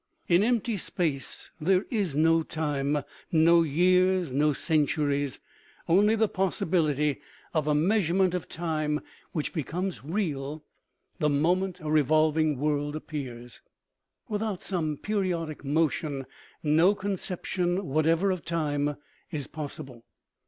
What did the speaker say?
In empty space there is no time, no years, no centuries ; only the possibility of a 270 OMEGA. measurement of time which becomes real the moment a revolving world appears. Without some periodic motion no conception whatever of time is possible.